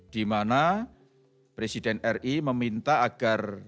di mana presiden ri meminta agar